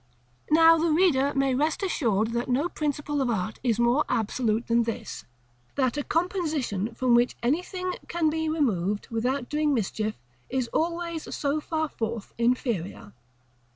Now the reader may rest assured that no principle of art is more absolute than this, that a composition from which anything can be removed without doing mischief is always so far forth inferior.